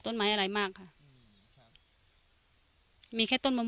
มันน่าจะปกติบ้านเรามีก้านมะยมไหม